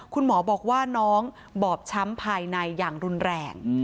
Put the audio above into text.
คุณหมอบอกว่าน้องบอบช้ำภายในอย่างรุนแรง